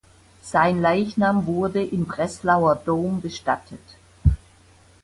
Sein Leichnam wurde im Breslauer Dom bestattet.